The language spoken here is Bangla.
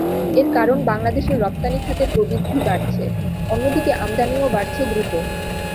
এর কারণ বাংলাদেশের রপ্তানি খাতের প্রবৃদ্ধি বাড়ছে, অন্যদিকে আমদানিও বাড়ছে দ্রুত।